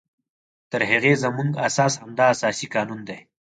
تر هغې زمونږ اساس همدا اساسي قانون دی